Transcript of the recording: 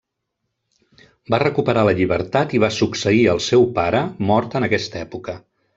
Va recuperar la llibertat i va succeir al seu pare mort en aquesta època.